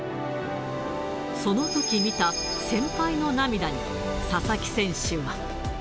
そのとき見た先輩の涙に、佐々木選手は。